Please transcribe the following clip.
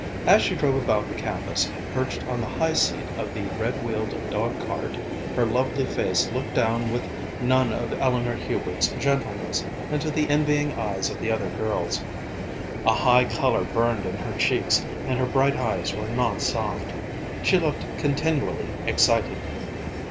As she drove about the campus, perched on the high seat of the red wheeled dog cart, her lovely face looked down with none of Eleanor Hubert's gentleness into the envying eyes of the other girls. A high color burned in her cheeks, and her bright eyes were not soft. She looked continually excited.